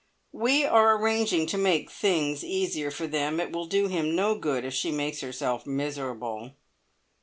We are arranging to make things easy for them. It will do him no good if she makes herself miserable."